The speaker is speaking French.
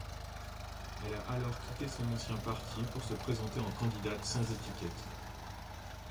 Elle a alors quitté son ancien parti pour se présenter en candidate sans étiquette.